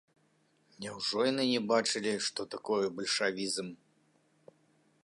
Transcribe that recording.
Няўжо яны не бачылі, што такое бальшавізм?